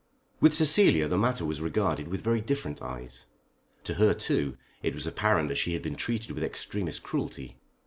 With Cecilia the matter was regarded with very different eyes. To her, too, it was apparent that she had been treated with extremest cruelty.